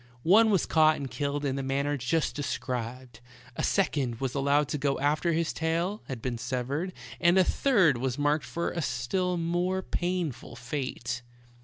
One was caught and killed in the manner just described ; a second was allowed to go after his tail had been severed ; and a third was marked for a still more painful fate.